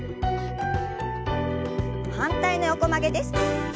反対の横曲げです。